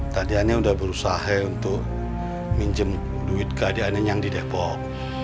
tadi aneh udah berusaha untuk minjem duit ke adik aneh yang di depok